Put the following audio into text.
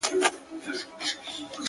سلامي سول که امیرکه اردلیان وه!.